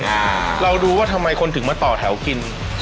เราดูว่าทำไมคนถึงมาต่อแถวกิน